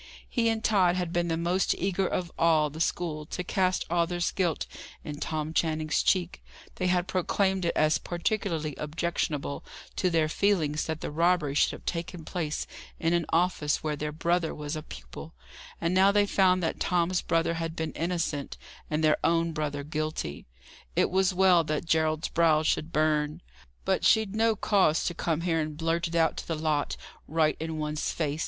He and Tod had been the most eager of all the school to cast Arthur's guilt in Tom Channing's cheek; they had proclaimed it as particularly objectionable to their feelings that the robbery should have taken place in an office where their brother was a pupil; and now they found that Tom's brother had been innocent, and their own brother guilty! It was well that Gerald's brow should burn. "But she'd no cause to come here and blurt it out to the lot, right in one's face!"